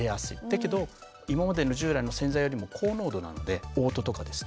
だけど今までの従来の洗剤よりも高濃度なのでおう吐とかですね